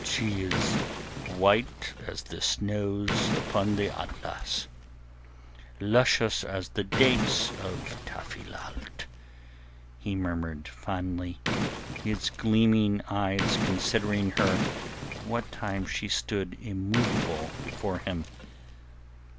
"She is white as the snows upon the Atlas, luscious as the dates of Tafilalt," he murmured fondly, his gleaming eyes considering her what time she stood immovable before him.